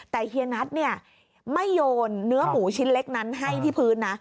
แต่เฮียนัทเนี่ยไม่โยนเนื้อหมูชิ้นเล็กนั้นให้ที่พื้นนะ